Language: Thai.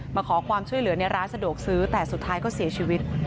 มาขอความช่วยเหลือในร้านสะดวกซื้อแต่สุดท้ายก็เสียชีวิต